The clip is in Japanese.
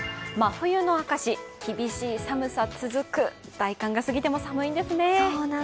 真冬の証し、厳しい寒さ続く、大寒が過ぎても寒いんですね。